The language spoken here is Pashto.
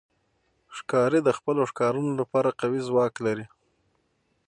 ښکاري د خپلو ښکارونو لپاره قوي ځواک لري.